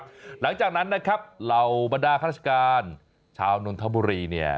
หลังจากนั้นนะครับเหล่าบรรดาข้าราชการชาวนนทบุรีเนี่ย